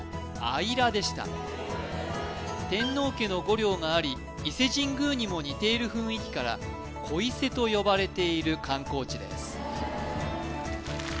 「あいら」でした天皇家の御陵があり伊勢神宮にも似ている雰囲気から小伊勢と呼ばれている観光地です